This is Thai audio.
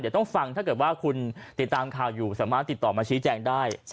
เดี๋ยวต้องฟังถ้าเกิดว่าคุณติดตามข่าวอยู่สามารถติดต่อมาชี้แจงได้